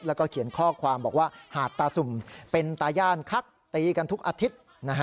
แล้วก็เขียนข้อความบอกว่าหาดตาสุ่มเป็นตาย่านคักตีกันทุกอาทิตย์